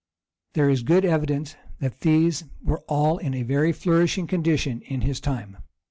There is good evidence that these were all in a very flourishing condition in his time.